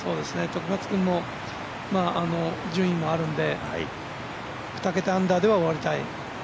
時松君の順位もあるので２桁アンダーでは終わりたい。